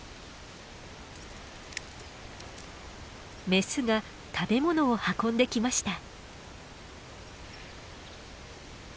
メスが食べ物を運んできました。